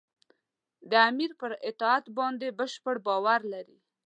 د امیر پر اطاعت باندې بشپړ باور لري.